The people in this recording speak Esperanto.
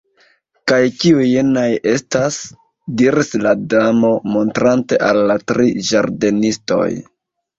"Kaj kiuj jenaj estas?" diris la Damo, montrante al la tri ĝardenistoj.